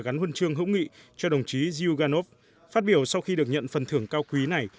truyền thông hữu nghị cho đồng chí zyuganov phát biểu sau khi được nhận phần thưởng cao quý này